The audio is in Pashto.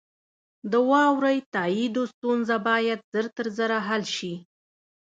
د واورئ تائیدو ستونزه باید ژر تر ژره حل شي.